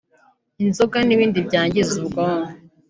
inzoga n’ibindi byangiza ubwonko